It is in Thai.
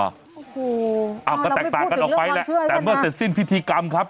อันนั้นก็แตกต่างกันออกไปแล้วแต่เมื่อสรุปศิษย์พิธิกรรมครับ